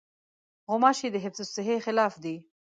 غوماشې د حفظالصحې خلاف دي.